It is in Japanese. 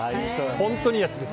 本当にいいやつです。